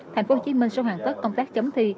tp hcm sẽ hoàn tất công tác chấm thi